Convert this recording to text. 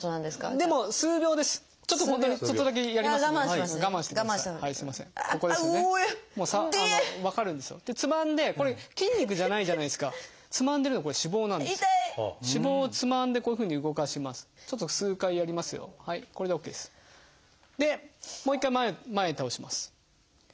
でもう一回前へ倒します。